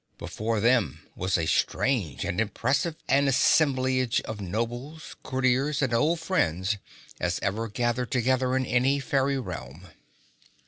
Before them was as strange and impressive an assemblage of Nobles, Courtiers and old friends as ever gathered together in any fairy realm.